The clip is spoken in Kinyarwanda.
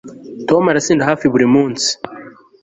Tom arasinda hafi buri munsi